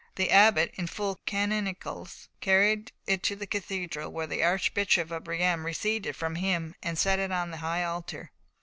The abbot, in full canonicals, carried it to the cathedral, where the Archbishop of Reims received it from him, and set it on the high altar.